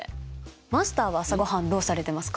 マスターは朝ごはんどうされてますか？